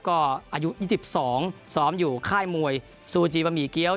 ก็อายุ๒๒ซ้อมอยู่ค่ายมวยซูจีบะหมี่เกี้ยว